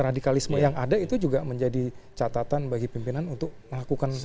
radikalisme yang ada itu juga menjadi catatan bagi pimpinan untuk melakukan